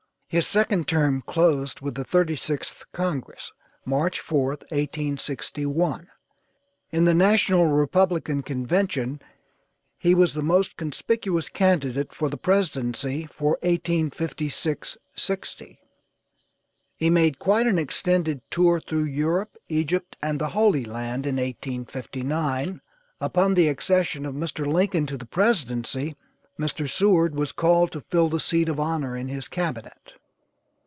His second term closed with the thirty sixth congress, March 4th, 1861. In the National Republican convention he was the most conspicuous candidate for the presidency for 1856 60. He made quite an extended tour through Europe, Egypt and the Holy Land in 1859. Upon the accession of Mr. Lincoln to the presidency Mr. Seward was called to fill the seat of honor in his cabinet.